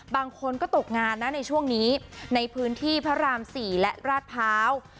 บางคนก็ตกงานนะในช่วงนี้ในพื้นที่พระราม๔และราชพร้าว